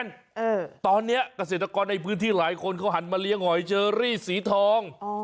เออตอนเนี้ยเกษตรกรในพื้นที่หลายคนเขาหันมาเลี้ยงหอยเชอรี่สีทองอ๋อ